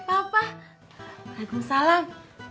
eh papa waalaikumsalam